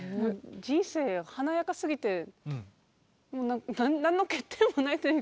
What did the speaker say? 人生華やかすぎて何の欠点もないというか。